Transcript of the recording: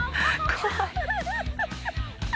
怖い。